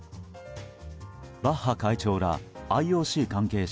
バッハ会長らＩＯＣ関係者